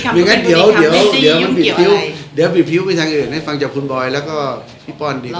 อย่างนั้นเดี๋ยวมันบิดพิ้วเดี๋ยวบิดพิ้วไปทางอื่นให้ฟังจากคุณบอยแล้วก็พี่ป้อนดีกว่า